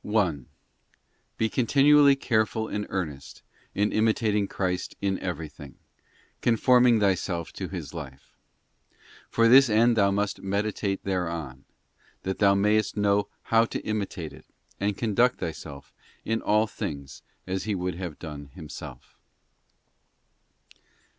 1. Be continually careful and earnest in imitating Christ in everything, conforming thyself to His life: for this end thou must meditate thereon, that thou mayest know how to imitate it, and conduct thyself in all things as He would have done Himself.